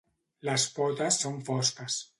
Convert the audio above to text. Les potes són fosques.